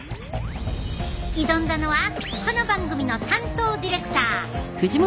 挑んだのはこの番組の担当ディレクター。